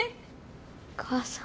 お母さん。